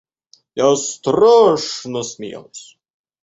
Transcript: Я страшно смеялась.